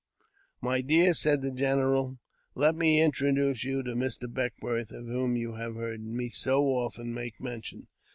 " My dear," said the general, " let me introduce you to Mr. Beckwourth, of whom you have heard me so often make mention.